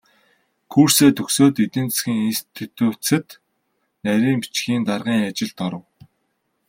Курсээ төгсөөд эдийн засгийн институцэд нарийн бичгийн даргын ажилд оров.